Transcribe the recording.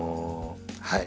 はい。